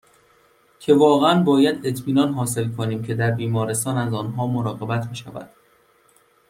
که واقعاً باید اطمینان حاصل کنیم که در بیمارستان از آنها مراقبت میشود